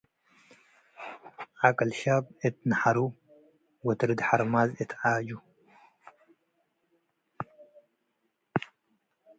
ዐቅል ሻብ እት ነሐሩ ወትርድ ሐርማዝ እት ዓጁ።